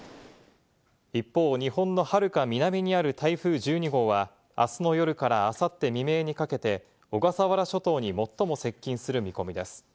一方、日本のはるか南にある台風１２号は、あすの夜からあさって未明にかけて、小笠原諸島に最も接近する見込みです。